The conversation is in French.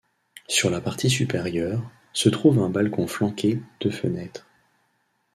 Sur la partie supérieure, se trouve un balcon flanqué deux fenêtres.